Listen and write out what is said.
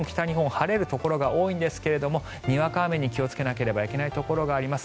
晴れるところが多いんですがにわか雨に気をつけなければならないところがあります。